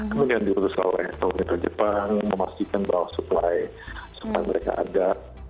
kemudian diurus oleh pemerintah jepang memastikan bahwa supply supply mereka ada